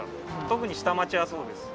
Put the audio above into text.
特に下町はそうです。